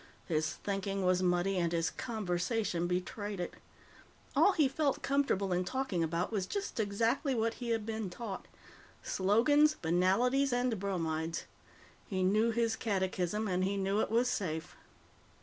His thinking was muddy, and his conversation betrayed it. All he felt comfortable in talking about was just exactly what he had been taught. Slogans, banalities, and bromides. He knew his catechism, and he knew it was safe.